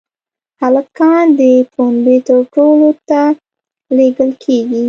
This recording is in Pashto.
هلکان د پنبې ټولولو ته لېږل کېږي.